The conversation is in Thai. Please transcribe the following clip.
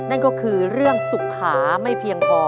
นั่นก็คือเรื่องสุขาไม่เพียงพอ